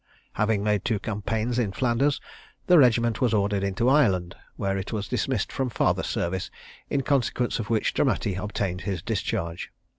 Having made two campaigns in Flanders, the regiment was ordered into Ireland, where it was dismissed from farther service; in consequence of which Dramatti obtained his discharge.